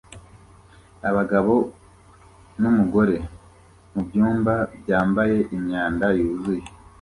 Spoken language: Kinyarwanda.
abagabo numugore mubyumba byambaye imyanda yuzuye